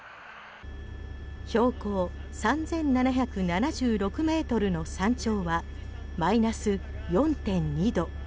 標高３７７６ｍの山頂はマイナス４．２度。